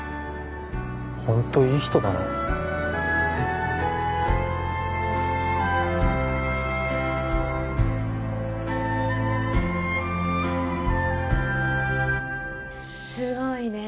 ホントいい人だなすごいねえ